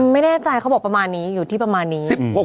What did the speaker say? ไม่แน่ใจเขาบอกประมาณนี้อยู่ที่ประมาณนี้